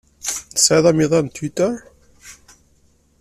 Tesɛiḍ amiḍan n Twitter?